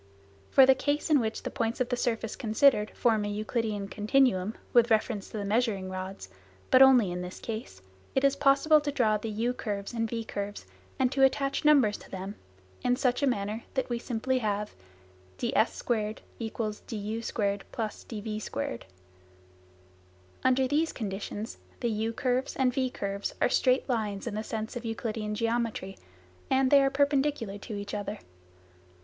For the case in which the points of the surface considered form a Euclidean continuum with reference to the measuring rods, but only in this case, it is possible to draw the u curves and v curves and to attach numbers to them, in such a manner, that we simply have : ds2 = du2 + dv2 Under these conditions, the u curves and v curves are straight lines in the sense of Euclidean geometry, and they are perpendicular to each other.